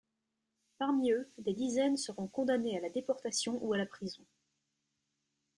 Parmi eux, des dizaines seront condamnés à la déportation ou à la prison.